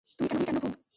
তুমি কেন ভুগবে, বিশু?